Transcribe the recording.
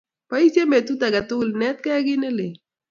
Poisyen petut ake tukul inetkei kiy ne lel